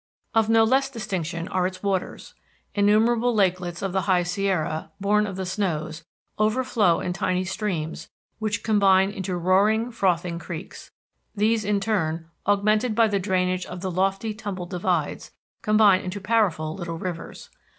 Of no less distinction are its waters. Innumerable lakelets of the High Sierra, born of the snows, overflow in tiny streams which combine into roaring, frothing creeks. These in turn, augmented by the drainage of the lofty tumbled divides, combine into powerful little rivers.